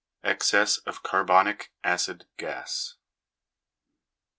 Excess of Carbonic Acid Gas.